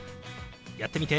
やってみて。